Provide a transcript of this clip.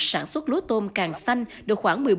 sản xuất lúa tôm càng xanh được khoảng